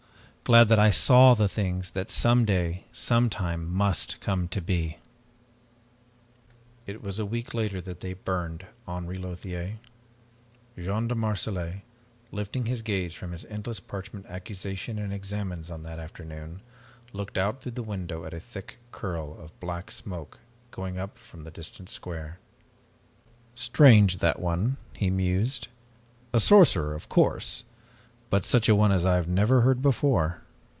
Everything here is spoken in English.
Glad that I saw the things that someday, sometime, must come to be "It was a week later that they burned Henri Lothiere. Jean de Marselait, lifting his gaze from his endless parchment accusation and examens on that afternoon, looked out through the window at a thick curl of black smoke going up from the distant square. "Strange, that one," he mused. "A sorcerer, of course, but such a one as I had never heard before.